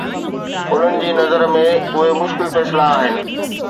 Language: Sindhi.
انهن جي نظر ۾، اهي مشڪل فيصلا آهن؟